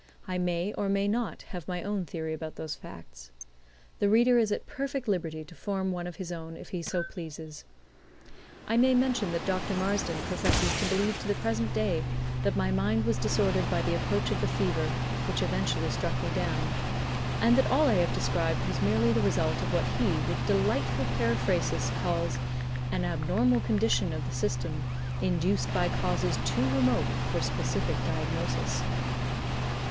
I may or may not have my own theory about those facts. The reader is at perfect liberty to form one of his own if he so pleases. I may mention that Dr. Marsden professes to believe to the present day that my mind was disordered by the approach of the fever which eventually struck me down, and that all I have described was merely the result of what he, with delightful periphrasis, calls "an abnormal condition of the system, induced by causes too remote for specific diagnosis."